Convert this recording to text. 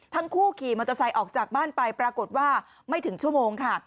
ทั้งคู่ขี่มอเตอร์ไซค์ออกจากบ้านไปปรากฏว่าไม่ถึงชั่วโมงค่ะ